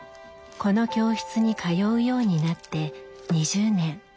この教室に通うようになって２０年。